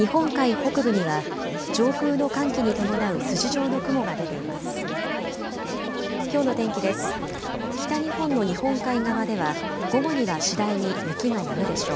北日本の日本海側では午後には次第に雪がやむでしょう。